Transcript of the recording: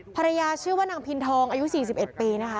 ชื่อว่านางพินทองอายุ๔๑ปีนะคะ